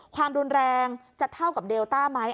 ความรุนแรงจะเท่ากับเดลต้าไหม